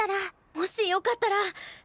もしよかったら。